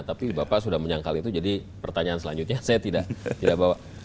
tapi bapak sudah menyangkal itu jadi pertanyaan selanjutnya saya tidak bawa